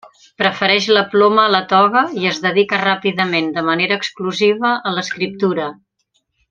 Prefereix la ploma a la toga i es dedica ràpidament de manera exclusiva a l'escriptura.